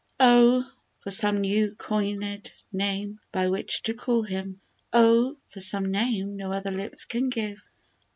OH ! for some new coin*d name by which to call him! Oh ! for some name no other lips can give